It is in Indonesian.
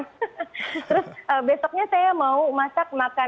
terus besoknya saya mau masak makan